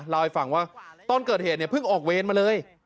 เล่าให้ฟังว่าตอนเกิดเหตุเนี่ยเพิ่งออกเวรมาเลย